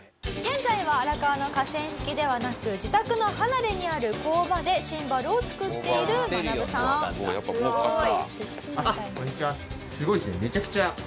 「現在は荒川の河川敷ではなく自宅の離れにある工場でシンバルを作っているマナブさん」あっこんにちは。